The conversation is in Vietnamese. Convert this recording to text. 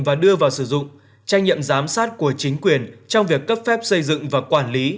và đưa vào sử dụng trách nhiệm giám sát của chính quyền trong việc cấp phép xây dựng và quản lý